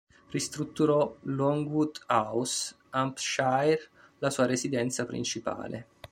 Ristrutturò Longwood House, Hampshire, la sua residenza principale.